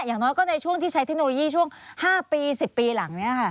อย่างน้อยก็ในช่วงที่ใช้เทคโนโลยีช่วง๕ปี๑๐ปีหลัง